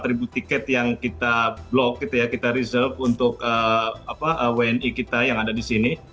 ada tiga ribu sampai empat ribu tiket yang kita blok kita reserve untuk wni kita yang ada disini